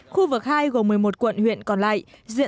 khu vực hai gồm một mươi một quận huyện còn lại